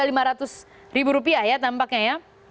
ya tiga belas lima ratus rupiah ya tampaknya ya